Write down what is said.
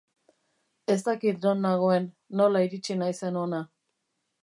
Ez dakit non nagoen, nola iritsi naizen hona.